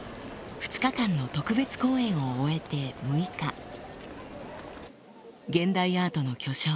２日間の特別公演を終えて６日現代アートの巨匠